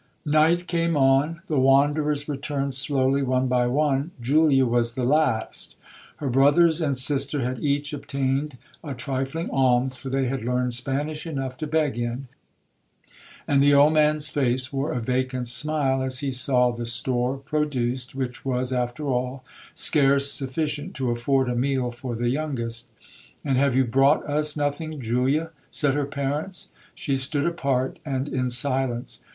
'Night came on,—the wanderers returned slowly one by one,—Julia was the last. Her brothers and sister had each obtained a trifling alms, for they had learned Spanish enough to beg in,—and the old man's face wore a vacant smile, as he saw the store produced, which was, after all, scarce sufficient to afford a meal for the youngest. 'And have you brought us nothing, Julia?' said her parents. She stood apart, and in silence.